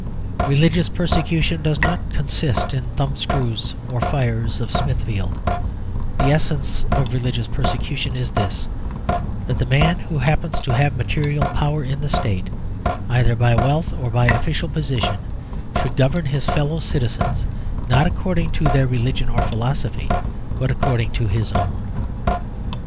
Religious persecution does not consist in thumbscrews or fires of Smithfield; the essence of religious persecution is this: that the man who happens to have material power in the State, either by wealth or by official position, should govern his fellow citizens not according to their religion or philosophy, but according to his own.